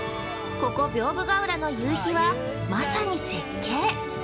ここ屏風ヶ浦の夕日はまさに絶景！